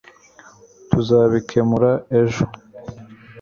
Tuzabikemura ejo